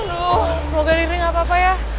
aduh semoga ri ri gak apa apa ya